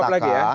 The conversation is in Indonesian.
jawab lagi ya